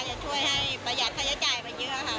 จะช่วยให้ประหยัดค่าใช้จ่ายไปเยอะค่ะ